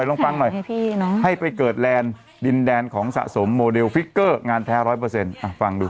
ลองฟังหน่อยให้ไปเกิดแลนด์ดินแดนของสะสมโมเดลฟิกเกอร์งานแท้๑๐๐ฟังดู